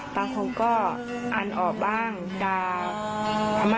เพราะเธอหมดแต่ร้องไห้เลยนะฮะ